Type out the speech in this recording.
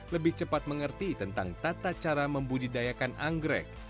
lebih cepat mengerti tentang tata cara membudidayakan anggrek